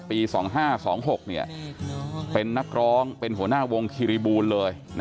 ปี๒๕๒๖เป็นนักร้องเป็นหัวหน้าวงคิริบูลเลย